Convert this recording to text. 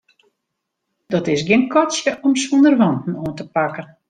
Dat is gjin katsje om sûnder wanten oan te pakken.